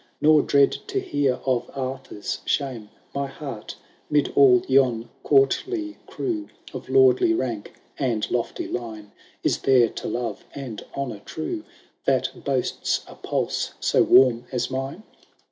Nor dread to hear of Arthur's shame. My heart — 'mid all yon courtly crew, Of lordly rank and lofty line, Is there to love and honour true, That boasts a pulse so warm as mine